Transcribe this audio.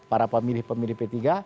para pemilih pemilih p tiga